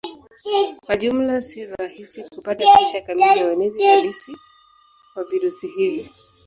Kwa jumla si rahisi kupata picha kamili ya uenezi halisi wa virusi hivi.